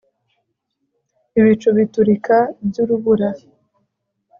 ibicu biturika by'urubura